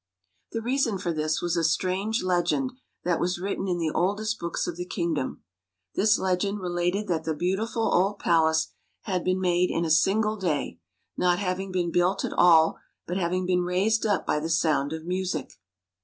The reason for this was a strange legend that was written in the oldest books of the kingdom. This legend related that the beautiful old palace had been made in a single day, not having been built at all, but having been raised up by the sound of music.